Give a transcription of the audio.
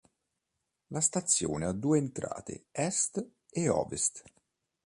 La stazione ha due entrate: Est e Ovest.